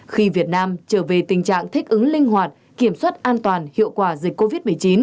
khi việt nam trở về tình trạng thích ứng linh hoạt kiểm soát an toàn hiệu quả dịch covid một mươi chín